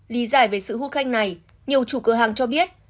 lý giải về sự hút khanh này nhiều chủ cửa hàng cho biết